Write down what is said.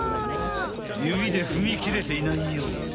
ゆびでふみきれていないようね。